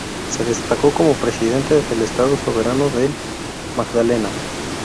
Se destacó como Presidente del Estado Soberano del Magdalena.